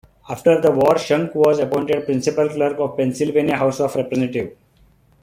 After the war Shunk was appointed Principal Clerk of the Pennsylvania House of Representatives.